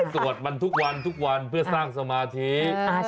สวดมันทุกวันเพื่อสร้างสมาชิก